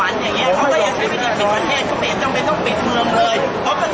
อาหรับเชี่ยวจามันไม่มีควรหยุด